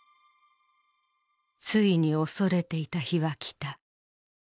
ついに恐れていた日は来た。